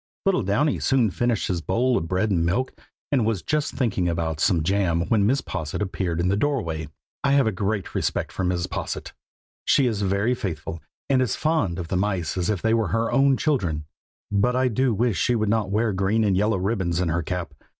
Little Downy soon finished his bowl of bread and milk, and was just thinking about some jam when Mrs. Posset appeared in the doorway. I have a great respect for Mrs. Posset. She is very faithful, and as fond of the mice as if they were her own children; but I do wish she would not wear green and yellow ribbons in her cap.